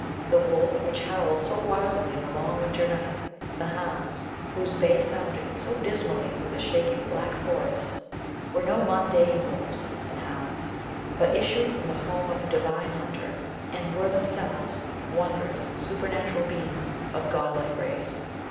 The wolf which howled so wildly in the long winter night, the hounds, whose bay sounded so dismally through the shaking black forest, were no mundane wolves and hounds, but issued from the home of a divine hunter, and were themselves wondrous, supernatural beings of godlike race.